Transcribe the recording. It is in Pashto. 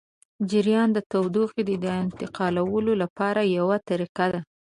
جریان د تودوخې د انتقالولو لپاره یوه طریقه ده.